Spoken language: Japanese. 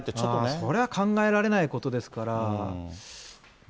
それは考えられないことですから。